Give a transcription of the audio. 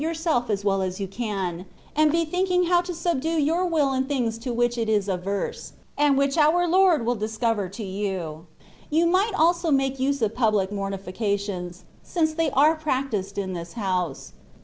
yourself as well as you can, and be thinking how to subdue your will in things to which it is averse, and which our Lord will discover to you; you might also make use of public mortifications, since they are practised in this house.